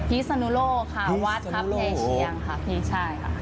พิษนุโลครับวัดครับชื่นช่างค่ะพี่ใช่ค่ะ